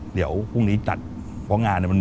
เดี๋ยวพรุ่งนี้จัดวังงาน